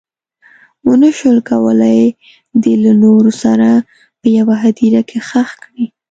ونه شول کولی دی له نورو سره په یوه هدیره کې ښخ کړي.